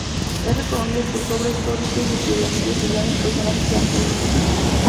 Es reconocido por su obra histórica y sus biografías de grandes personajes franceses.